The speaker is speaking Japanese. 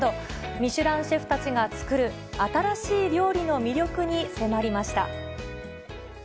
ミシュランシェフたちが作る新しい料理の魅力に迫りました。